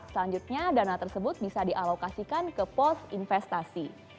selanjutnya dana tersebut bisa dialokasikan ke pos investasi